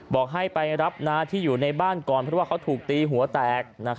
บอกให้ไปรับน้าที่อยู่ในบ้านก่อนเพราะว่าเขาถูกตีหัวแตก